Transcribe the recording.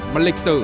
mà lịch sử